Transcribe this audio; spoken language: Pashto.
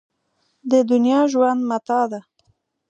د دنیا ژوند متاع ده.